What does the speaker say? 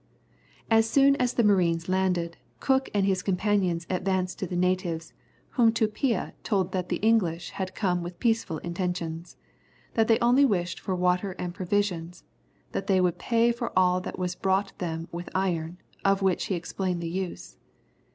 As soon as the marines landed, Cook and his companions advanced to the natives, whom Tupia told that the English had come with peaceful intentions, that they only wished for water and provisions, that they would pay for all that was brought them with iron, of which he explained the use.